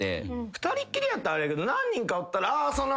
２人きりやったらあれやけど何人かおったら。